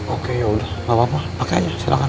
oke ya udah nggak apa apa pakai aja silahkan